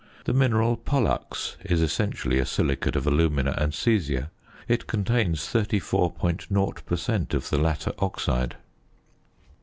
The mineral pollux is essentially a silicate of alumina and caesia; it contains 34.0 per cent. of the latter oxide.